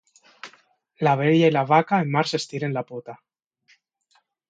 L'abella i la vaca en març estiren la pota.